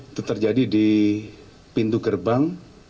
itu terjadi di pintu gerbang